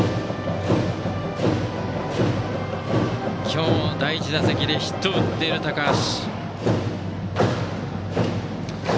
今日の第１打席でヒットを打っている高橋。